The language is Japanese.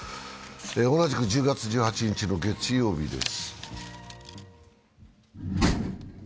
同じく１０月１８日の月曜日です。